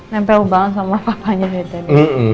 nempe banget sama papanya dari tadi